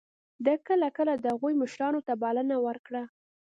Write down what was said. ده کله کله د هغوی مشرانو ته بلنه ورکړه.